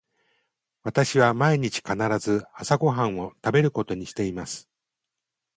私は毎日必ず朝ご飯を食べることにしています。